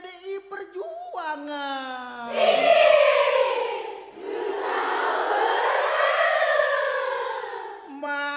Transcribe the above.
duh santara duh santara